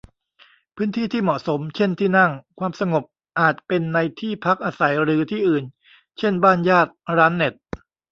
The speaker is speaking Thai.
พื้นที่ที่เหมาะสม เช่น ที่นั่ง ความสงบ อาจเป็นในที่พักอาศัยหรือที่อื่น เช่น บ้านญาติ ร้านเน็ต